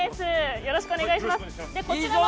よろしくお願いします。